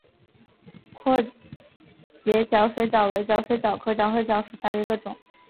阔节角水蚤为角水蚤科角水蚤属下的一个种。